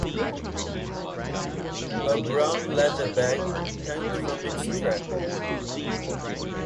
A brown leather bag hung from its strap.